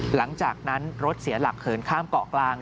หลังจากนั้นรถเสียหลักเขินข้ามเกาะกลาง